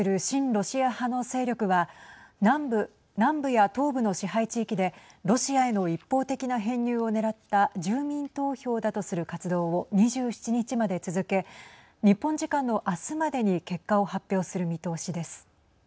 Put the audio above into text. ロシア派の勢力は南部や東部の支配地域でロシアへの一方的な編入をねらった住民投票だとする活動を２７日まで続け日本時間の明日までに結果を発表する見通しです。